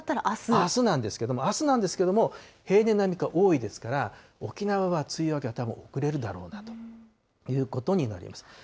あすなんですけれども、あすなんですけれども、平年並みか多いですから、沖縄は梅雨明けは、たぶん遅れるだろうなということになります。